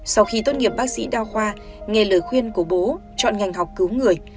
sau khi tốt nghiệp bác sĩ đa khoa nghe lời khuyên của bố chọn ngành học cứu người